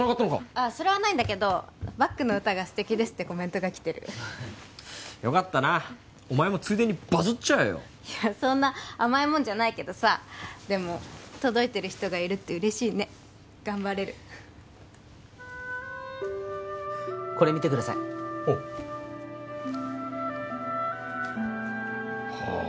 ああそれはないんだけどバックの歌が素敵ですってコメントがきてるよかったなお前もついでにバズっちゃえよいやそんな甘いもんじゃないけどさでも届いてる人がいるって嬉しいね頑張れるこれ見てくださいおうはあ